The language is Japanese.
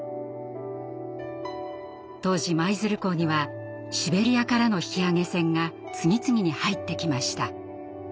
当時舞鶴港にはシベリアからの引き揚げ船が次々に入ってきました。